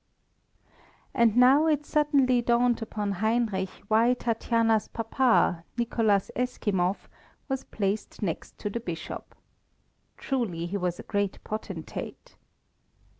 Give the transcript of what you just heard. And now it suddenly dawned upon Heinrich why Tatiana's papa, Nicholas Eskimov, was placed next to the Bishop. Truly he was a great potentate!